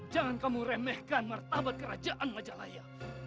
jangan kamu remehkan martabat kerajaan majalaya